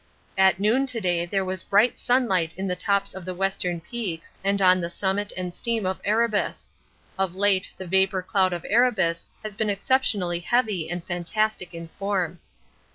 At noon to day there was bright sunlight on the tops of the Western Peaks and on the summit and steam of Erebus of late the vapour cloud of Erebus has been exceptionally heavy and fantastic in form.